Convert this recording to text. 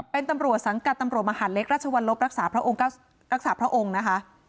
เป็นตำรวจสังกัดตำรวจมหาลเล็กรัชวรรมรักษาพระองค์นะคะ